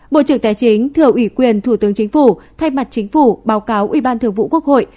bộ trưởng tài chính thừa ủy quyền thủ tướng chính phủ thay mặt chính phủ báo cáo ủy ban thường vụ quốc hội